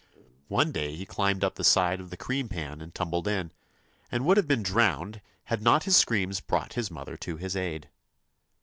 One day he climbed up the side of the cream pan and tumbled in, and would have been drowned had not his screams brought his mother to his aid.